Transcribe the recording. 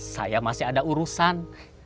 saya masih ada urusan